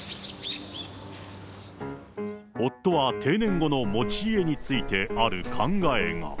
夫は定年後の持ち家について、ある考えが。